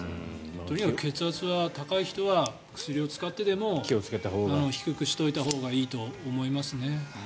とにかく血圧が高い人は薬を使ってでも低くしておいたほうがいいと思いますね。